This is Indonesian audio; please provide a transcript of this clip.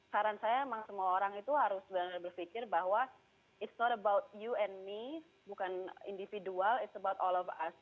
saran saya memang semua orang itu harus benar benar berpikir bahwa it's not about you and me bukan individual it's about all of us